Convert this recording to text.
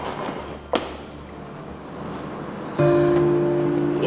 ivan ini siapa